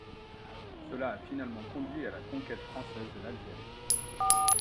Cela a finalement conduit à la conquête française de l'Algérie.